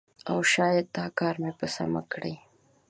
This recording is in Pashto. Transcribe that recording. او شاید دا کار مې په سمه کړی